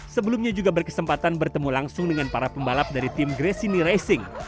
sebelumnya juga berkesempatan bertemu langsung dengan para pembalap dari tim gracini racing